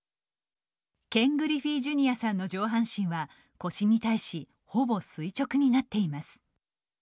ケン・グリフィーＪｒ．さんの上半身は腰に対しほぼ垂直になっています。